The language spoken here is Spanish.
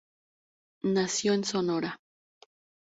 Nació en Sonora.